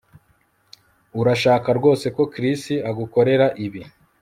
Urashaka rwose ko Chris agukorera ibi